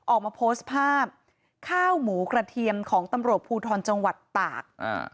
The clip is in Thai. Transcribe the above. ออกมาโพสต์ภาพข้าวหมูกระเทียมของตำรวจภูทรจังหวัดตาก